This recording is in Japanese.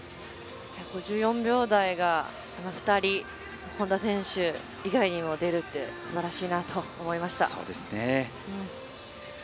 ５４秒台が２人本多選手以外にも出るって、すばらしいなと思いました。